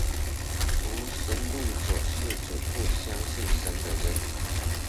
无神论者是指不相信神的人。